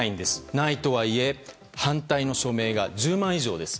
ないとはいえ反対の署名が１０万以上です。